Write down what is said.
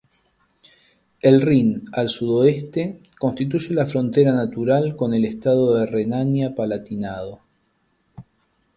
El Rin al sudoeste constituye la frontera natural con el Estado de Renania-Palatinado.